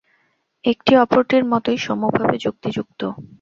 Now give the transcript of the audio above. একটি অপরটির মতই সমভাবে যুক্তিযুক্ত।